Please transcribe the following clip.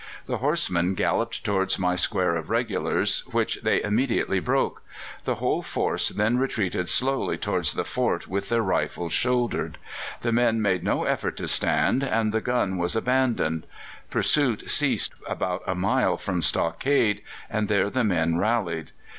The horsemen galloped towards my square of regulars, which they immediately broke. The whole force then retreated slowly towards the fort with their rifles shouldered. The men made no effort to stand, and the gun was abandoned. Pursuit ceased about a mile from stockade, and there the men rallied.